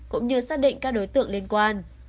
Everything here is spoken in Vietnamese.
cũng như xác định các đối tượng liên quan